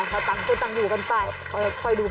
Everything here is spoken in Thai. คอยตั้งอยู่กันไป